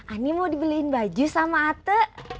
ane mau dibeliin baju sama atuh